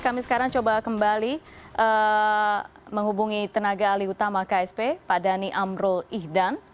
kami sekarang coba kembali menghubungi tenaga alih utama ksp pak dhani amrul ihdan